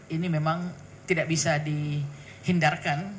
ini memang tidak bisa dihindarkan